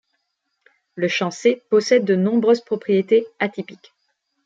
Le champ C possède de nombreuses propriétés atypiques.